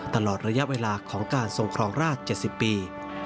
ตลอดระยะเวลาของการทรงครองราช๗๐ปี